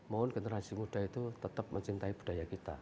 mohon generasi muda itu tetap mencintai budaya kita